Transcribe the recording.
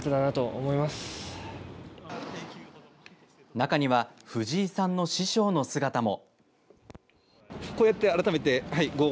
中には藤井さんの師匠の姿も。